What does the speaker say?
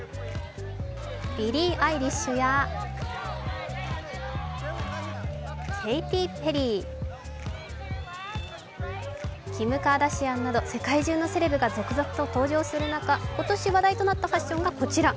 ビリー・アイリッシュやケイティ・ペリーキム・カーダシアンなど世界中のセレブが続々と登場する中、今年話題となったファッションがこちら。